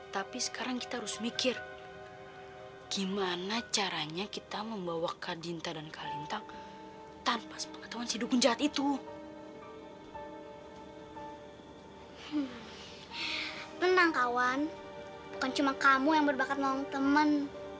tenang kawan bukan cuma kamu yang berbakat ngomong temen